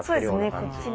そうです。